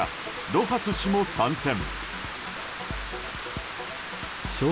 ロハス氏も参戦。